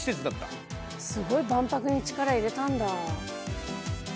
すごい万博に力入れたんだ。